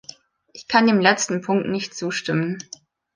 Ich kann dem letzten Punkt nicht zustimmen.